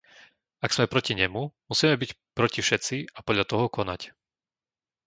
Ak sme proti nemu, musíme byť proti všetci a podľa toho konať.